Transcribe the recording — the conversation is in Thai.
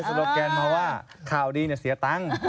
เขาใช้สโลแกนมาว่าข่าวดีเนี่ยเสียตังค์